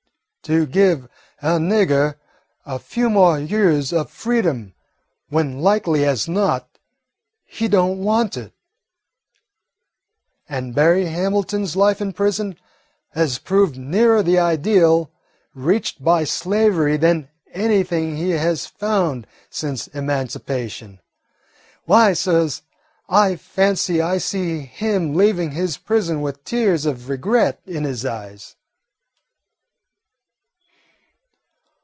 To give a nigger a few more years of freedom when, likely as not, he don't want it; and Berry Hamilton's life in prison has proved nearer the ideal reached by slavery than anything he has found since emancipation. Why, suhs, I fancy I see him leaving his prison with tears of regret in his eyes."